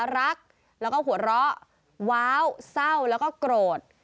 รักแล้วก็หัวเราะว้าวเศร้าแล้วก็โกรธ